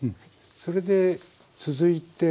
それで続いて。